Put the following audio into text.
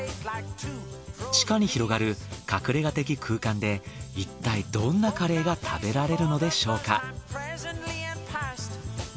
地下に広がる隠れ家的空間でいったいどんなカレーが食べられるのでしょうか？